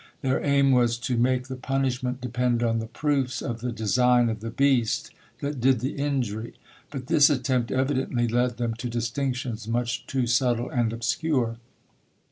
Their aim was to make the punishment depend on the proofs of the design of the beast that did the injury; but this attempt evidently led them to distinctions much too subtile and obscure.